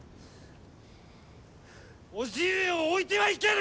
叔父上を置いてはいけぬ！